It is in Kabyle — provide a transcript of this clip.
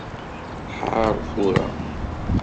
Ḥeṛṛ tura.